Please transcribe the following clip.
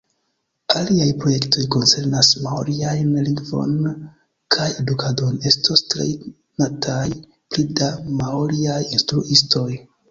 Aliaj projektoj koncernas maoriajn lingvon kaj edukadon: estos trejnataj pli da maoriaj instruistoj.